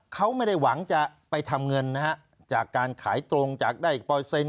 เขาไม่ได้หวังจะไปทำเงินนะฮะจากการขายตรงจากได้เปอร์เซ็นต